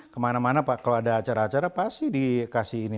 kemana mana pak kalau ada acara acara pasti dikasih ini